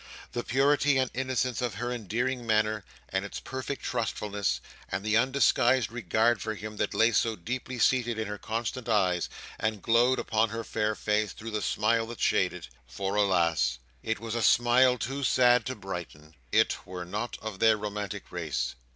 The purity and innocence of her endearing manner, and its perfect trustfulness, and the undisguised regard for him that lay so deeply seated in her constant eyes, and glowed upon her fair face through the smile that shaded—for alas! it was a smile too sad to brighten—it, were not of their romantic race.